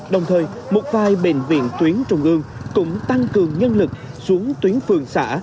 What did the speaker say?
đồng thời một vài bệnh viện tuyến trung ương cũng tăng cường nhân lực xuống tuyến phường xã